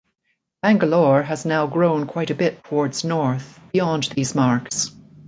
Bangalore has now grown quite a bit towards north, beyond these marks.